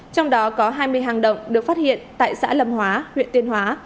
trong đó có hai mươi hàng động được phát hiện tại xã lâm hóa huyện tuyên hóa